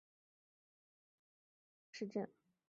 沃德尔朗是法国面积最小的市镇。